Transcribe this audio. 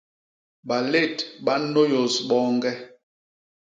Balét ba nnôyôs boñge.